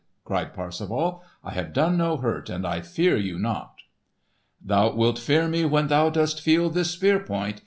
cried Parsifal. "I have done no hurt, and I fear you not!" "Thou wilt fear me when thou dost feel this spear point!